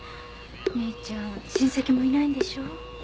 メイちゃん親戚もいないんでしょ？